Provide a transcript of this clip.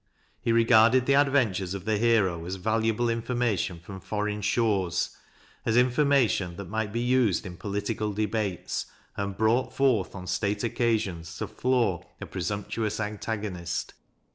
He regarded the adven tures of the hero as valuable information from foreign shores, as information that might be used in political debates, and brought forth on state occasions to floor a presumptuous antagonist.